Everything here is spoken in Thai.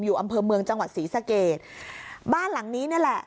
อำเภอเมืองจังหวัดศรีสะเกดบ้านหลังนี้นี่แหละ